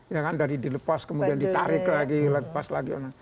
ya kan dari dilepas kemudian ditarik lagi lepas lagi